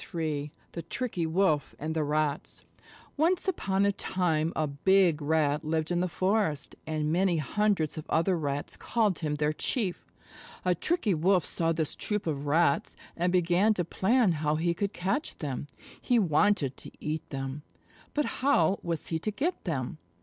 III THE TRICKY WOLF AND THE RATS Once upon a time a Big Rat lived in the forest, and many hundreds of other Rats called him their Chief. A Tricky Wolf saw this troop of Rats, and began to plan how he could catch them. He wanted to eat them, but how was he to get them?